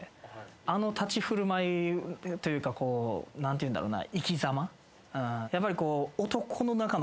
あの立ち振る舞いというか何ていうんだろうな。